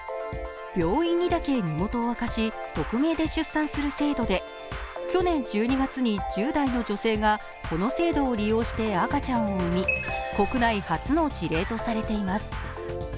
病院にだけ身元を明かし、匿名で出産する制度で、去年１２月に１０代の女性がこの制度を利用して赤ちゃんを産み、国内初の事例とされています。